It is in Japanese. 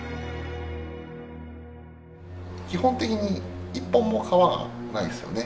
基本的に１本も川がないですよね。